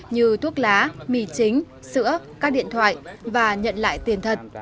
như thuốc lá mì chính sữa các điện thoại và nhận lại tiền thật